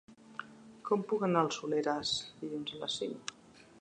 Com puc anar al Soleràs dilluns a les cinc?